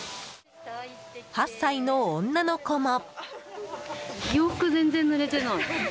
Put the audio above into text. ８歳の女の子も。